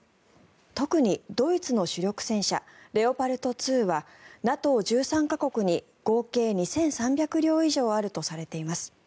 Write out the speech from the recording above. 特にドイツの主力戦車レオパルト２はＮＡＴＯ１３か国に合計２３００両以上あるとされています。